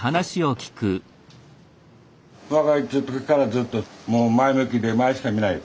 若い時からずっと前向きで前しか見ない。